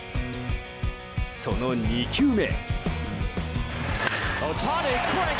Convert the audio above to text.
その２球目。